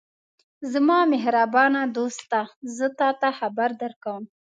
زما مهربانه دوسته! زه تاته خبر درکوم.